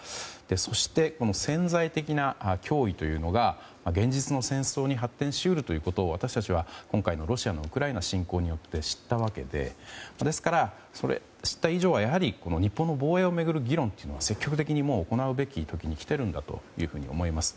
そして、潜在的な脅威というのが現実の戦争に発展し得るということを私たちは今回のロシアのウクライナ侵攻によって知ったわけでですから、知った以上は日本の防衛を巡る議論というのは積極的に行うべき時に来ていると思います。